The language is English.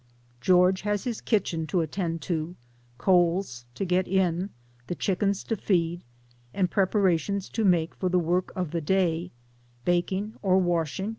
George has his kitchen to attend to, coals to get in, the chickens to feed, and preparations to make for the work of the day baking or washing p.